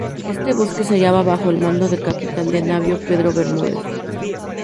Este buque se hallaba bajo el mando del capitán de navío Pedro Bermúdez.